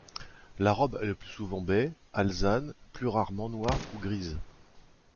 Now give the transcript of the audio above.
La robe est le plus souvent baie, alezane, plus rarement noire ou grise.